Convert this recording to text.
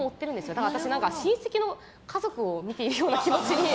だから私、親戚の家族を見ているような気持に。